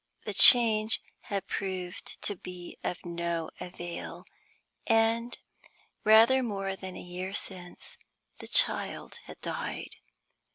The change had proved to be of no avail; and, rather more than a year since, the child had died.